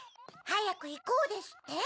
「はやくいこう」ですって？